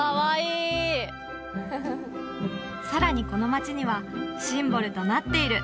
さらにこの街にはシンボルとなっている